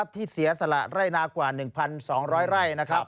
ที่เสียสละร่ายหน้ากว่า๑พัน๒ร้อยไร้